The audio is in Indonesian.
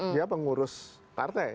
dia pengurus partai